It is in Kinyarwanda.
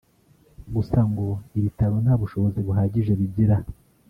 Gusa ngo ibitaro nta bushobozi buhagije bigira